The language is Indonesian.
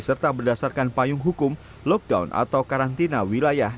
serta berdasarkan payung hukum lockdown atau karantina wilayah